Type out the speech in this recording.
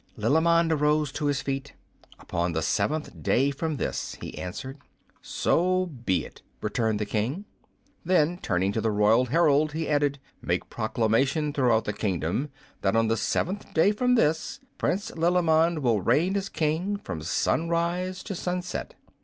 Lilimond arose to his feet. "Upon the seventh day from this," he answered. "So be it," returned the King. Then, turning to the royal herald he added, "Make proclamation throughout the kingdom that on the seventh day from this Prince Lilimond will reign as King from sunrise till sunset.